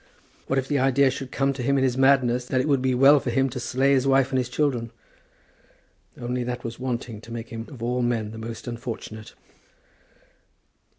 What, if the idea should come to him in his madness that it would be well for him to slay his wife and his children? Only that was wanting to make him of all men the most unfortunate.